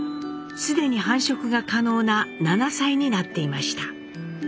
既に繁殖が可能な７歳になっていました。